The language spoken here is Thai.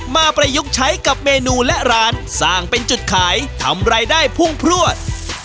ประยุกต์ใช้กับเมนูและร้านสร้างเป็นจุดขายทำรายได้พุ่งพลวด